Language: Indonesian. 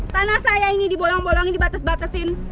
tanah saya ini dibolong bolongin dibates batasin